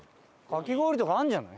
かき氷とかあるんじゃない？